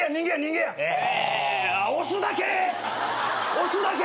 押すだけ！？